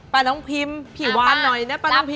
น้องพิมพี่วานหน่อยนะป้าน้องพิม